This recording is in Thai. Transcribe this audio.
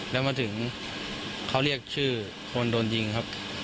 แล้วมาถึงเขาเรียกชื่อคนโดนยิงครับ